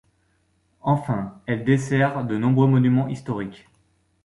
Enfin, elle dessert de nombreux monuments historiques.